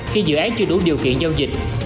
khi dự án chưa đủ điều kiện giao dịch